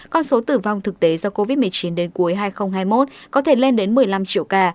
con số tử vong thực tế do covid một mươi chín đến cuối hai nghìn hai mươi một có thể lên đến một mươi năm triệu ca